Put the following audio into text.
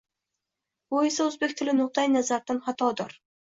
Bu esa oʻzbek tili nuqtai nazaridan xatodir